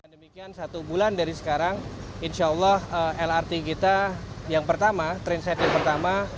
demikian satu bulan dari sekarang insya allah lrt kita yang pertama transit yang pertama